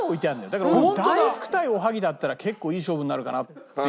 だから大福対おはぎだったら結構いい勝負になるかなっていう。